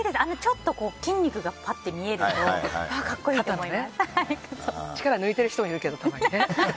ちょっと筋肉が見えるとたまに力抜いてる人もいるけど。